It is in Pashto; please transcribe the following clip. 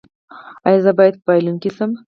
ایا زه باید بایلونکی شم؟